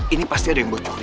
ini pasti ada yang buat curi